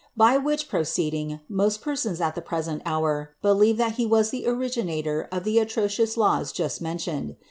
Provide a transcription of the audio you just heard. By which proceeding, most persons, at the present hour, believe that he was the originator of the atrocious laws just mentioned.